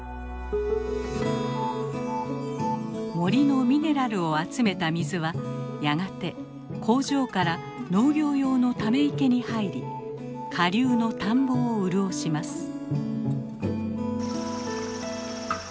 森のミネラルを集めた水はやがて工場から農業用のため池に入り下流の田んぼを潤します。